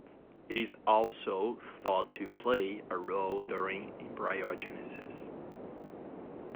It is also thought to play a role during embryogenesis.